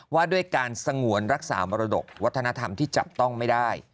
ว่าด้วยการสงวนรักษามรดกวัฒนธรรมที่จับต้องไม่ได้